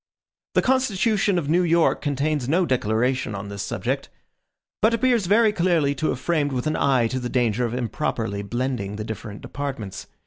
The constitution of New York contains no declaration on this subject; but appears very clearly to have been framed with an eye to the danger of improperly blending the different departments.